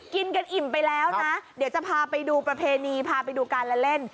กินกันอิ่มไปแล้วนะเดี๋ยวจะพาไปดูประเพณีพาไปดูการเล่น